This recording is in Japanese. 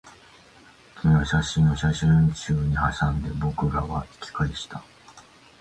君は写真を写真集にはさんで、僕らは引き返した